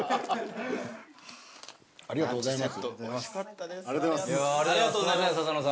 ありがとうございます。